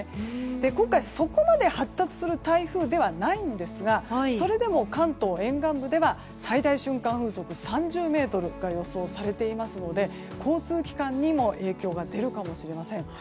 今回そこまで発達する台風ではないんですがそれでも関東沿岸部では最大瞬間風速３０メートルが予想されていますので交通機関にも影響が出るかもしれません。